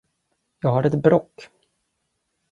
Jag har ett bråck.